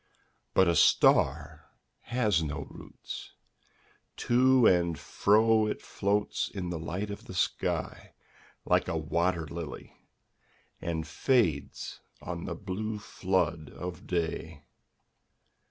'But a star has no roots : to and fro It floats in the light of the sky, like a wat«r ]ily. And fades on the blue flood of day.